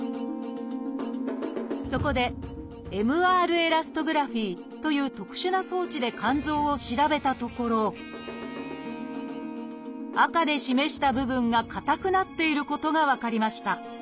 そこで「ＭＲエラストグラフィ」という特殊な装置で肝臓を調べたところ赤で示した部分が硬くなっていることが分かりました。